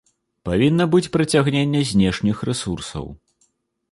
Павінна быць прыцягненне знешніх рэсурсаў.